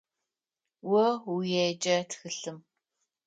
О уеджэ тхылъым.